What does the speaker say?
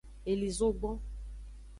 Eli zogbon.